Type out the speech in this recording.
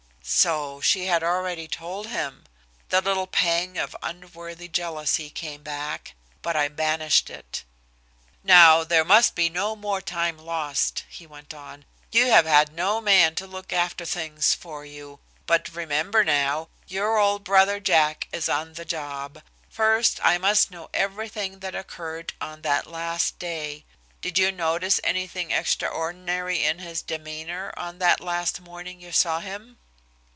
So she had already told him! The little pang of unworthy jealousy came back, but I banished it. "Now, there must be no more time lost," he went on. "You have had no man to look after things for you, but remember now, your old brother, Jack, is on the job. First, I must know everything that occurred on that last day. Did you notice anything extraordinary in his demeanor on that last morning you saw him?"